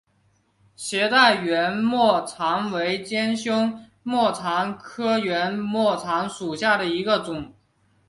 斜带圆沫蝉为尖胸沫蝉科圆沫蝉属下的一个种。